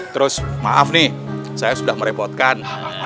terus maaf nih saya sudah merepotkan